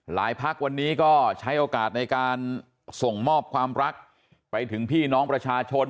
พักวันนี้ก็ใช้โอกาสในการส่งมอบความรักไปถึงพี่น้องประชาชน